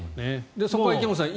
そこが池本さん